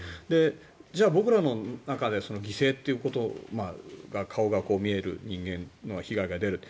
じゃあ僕らの中で犠牲ということ顔が見える人間に被害が出る。